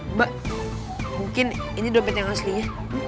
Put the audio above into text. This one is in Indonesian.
mbak mungkin ini dompet yang aslinya